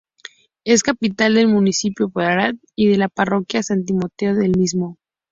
Es capital del municipio Baralt y de la Parroquia San Timoteo del mismo.